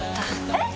えっ！！